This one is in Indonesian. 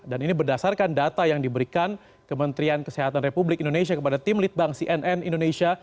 dan ini berdasarkan data yang diberikan kementerian kesehatan republik indonesia kepada tim litbang cnn indonesia